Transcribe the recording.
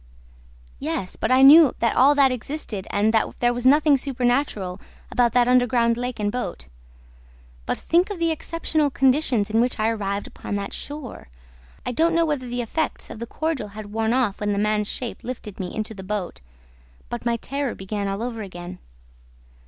"Yes, but I knew that all that existed and that there was nothing supernatural about that underground lake and boat. But think of the exceptional conditions in which I arrived upon that shore! I don't know whether the effects of the cordial had worn off when the man's shape lifted me into the boat, but my terror began all over again.